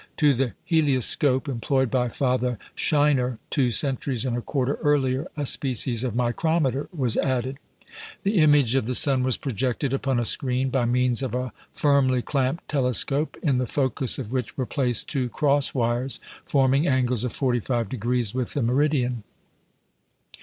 To the "helioscope" employed by Father Scheiner two centuries and a quarter earlier, a species of micrometer was added. The image of the sun was projected upon a screen by means of a firmly clamped telescope, in the focus of which were placed two cross wires forming angles of 45° with the meridian.